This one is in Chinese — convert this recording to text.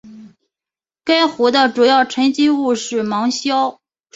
该湖的主要沉积物是芒硝。